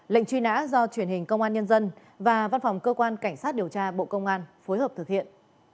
lệnh truy nã do truyền hình công an nhân dân và văn phòng cơ quan cảnh sát điều tra bộ công an phối hợp thực hiện